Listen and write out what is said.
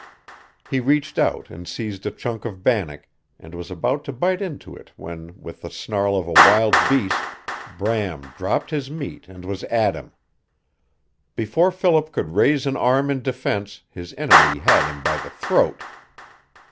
He reached out and seized a chunk of bannock, and was about to bite into it when with the snarl of a wild beast Bram dropped his meat and was at him. Before Philip could raise an arm in defense his enemy had him by the throat.